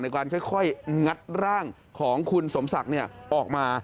การค่อยงัดร่างของคุณสมศักดิ์ออกมา